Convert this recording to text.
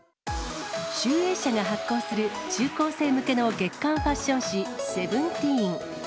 集英社が発行する中高生向けの月刊ファッション誌、Ｓｅｖｅｎｔｅｅｎ。